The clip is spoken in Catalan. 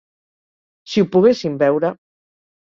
Si ho poguéssim veure.